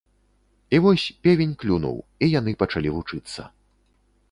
І вось, певень клюнуў, і яны пачалі вучыцца.